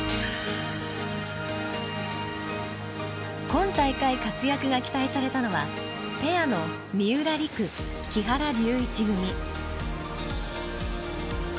今大会活躍が期待されたのはペアの三浦璃来木原龍一組。